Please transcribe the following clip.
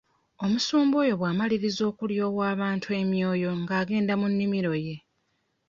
Omusumba oyo bw'amaliriza okulyowa abantu emwoyo ng'agenda mu nnimiro ye.